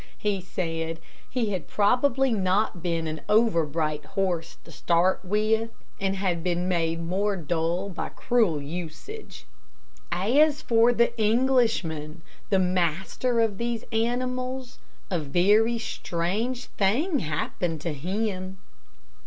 He said he had probably not been an over bright horse to start with, and had been made more dull by cruel usage. As for the Englishman, the master of these animals, a very strange thing happened to him.